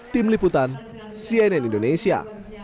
tim liputan cnn indonesia